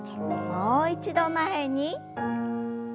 もう一度前に。